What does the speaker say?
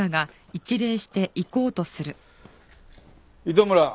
糸村。